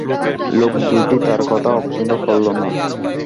লোক দুটি তার কথা অপছন্দ করল না।